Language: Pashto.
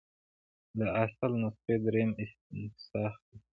د اصل نسخې دریم استنساخ دی.